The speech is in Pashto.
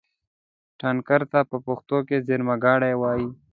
ټانکر ته په پښتو کې زېرمهګاډی وایي.